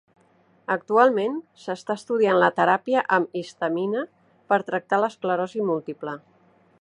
Actualment, s"està estudiant la teràpia amb histamina per tractar l"esclerosi múltiple.